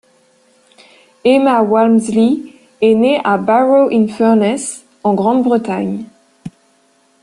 Emma Walmsley est née à Barrow-in-Furness en Grande-Bretagne.